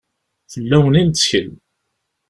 Fell-awen i nettkel.